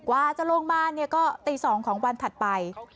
ว่าจะลงมาก็ตี๒ของวันถัดไป